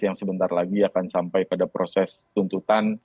yang sebentar lagi akan sampai pada proses tuntutan